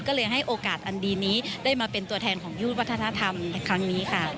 ก็เลยให้โอกาสอันดีนี้ได้มาเป็นตัวแทนของยูทูปวัฒนธรรมในครั้งนี้ค่ะ